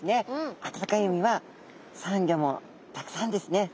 あたたかい海はサンギョもたくさんですね。